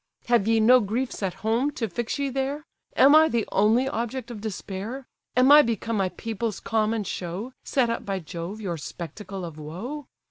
Have ye no griefs at home, to fix ye there: Am I the only object of despair? Am I become my people's common show, Set up by Jove your spectacle of woe?